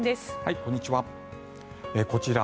こんにちは。